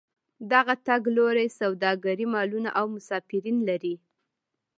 دغه تګ لوري سوداګرۍ مالونه او مسافرین لري.